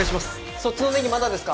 そっちのネギまだですか？